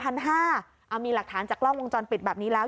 เอามีหลักฐานจากกล้องวงจรปิดแบบนี้แล้ว